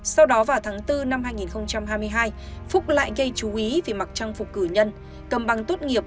sau đó vào tháng bốn năm hai nghìn hai mươi hai phúc lại gây chú ý vì mặc trang phục cử nhân cầm bằng tốt nghiệp